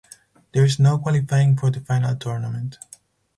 There is no qualifying for the final tournament.